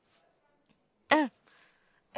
うん。